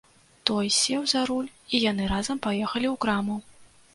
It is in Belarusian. Той сеў за руль, і яны разам паехалі ў краму.